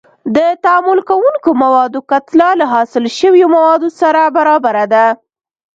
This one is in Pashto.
د تعامل کوونکو موادو کتله له حاصل شویو موادو سره برابره ده.